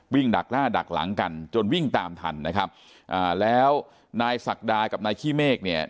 ดักล่าดักหลังกันจนวิ่งตามทันนะครับอ่าแล้วนายศักดากับนายขี้เมฆเนี่ย